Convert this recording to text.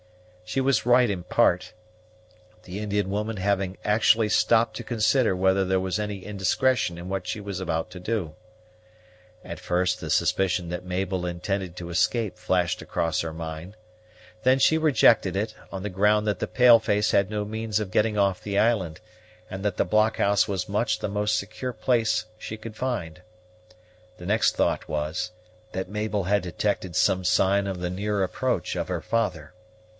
She was right in part, the Indian woman having actually stopped to consider whether there was any indiscretion in what she was about to do. At first the suspicion that Mabel intended to escape flashed across her mind; then she rejected it, on the ground that the pale face had no means of getting off the island, and that the blockhouse was much the most secure place she could find. The next thought was, that Mabel had detected some sign of the near approach of her father.